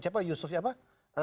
siapa yusuf ya pak